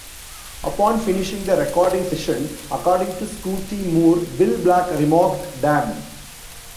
Upon finishing the recording session, according to Scotty Moore, Bill Black remarked, Damn.